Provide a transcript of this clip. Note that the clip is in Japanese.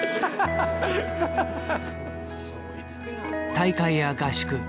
大会や合宿